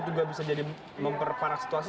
juga bisa jadi memperparah situasi